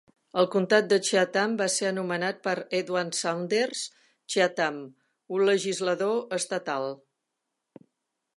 El comtat de Cheatham va ser nomenat per Edward Saunders Cheatham, un legislador estatal.